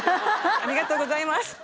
ありがとうございます。